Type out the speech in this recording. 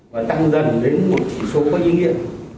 và tăng dần đến một chỉ số có ý nghĩa